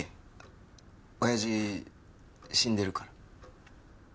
親父死んでるから。